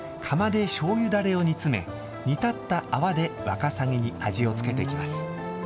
釜でしょうゆだれを煮詰め、煮立った泡でわかさぎに味をつけていきます。